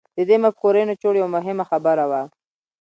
د دې مفکورې نچوړ يوه مهمه خبره وه.